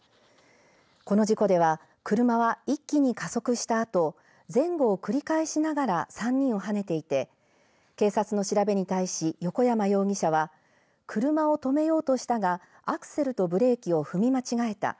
この事故では、車は一気に加速したあと前後を繰り返しながら３人をはねていて警察の調べに対し、横山容疑者は車を止めようとしたがアクセルとブレーキを踏み間違えた。